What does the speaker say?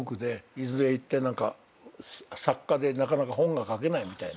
伊豆へ行って作家でなかなか本が書けないみたいな。